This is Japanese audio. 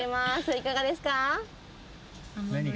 いかがですか？